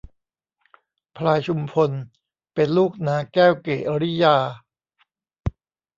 พลายชุมพลเป็นลูกนางแก้วกิริยา